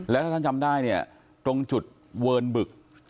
แล้วถ้าน้านจำได้ตรงจุดเวินบึก